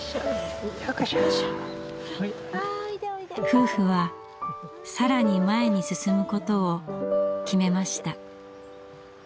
夫婦は更に前に進むことを決めました。